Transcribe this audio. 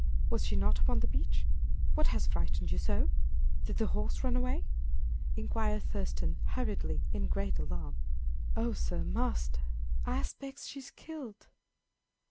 Was she not upon the beach? What has frightened you so? Did the horse run away?" inquired Thurston, hurriedly, in great alarm. "Oh, sir, marster! I 'spects she's killed!"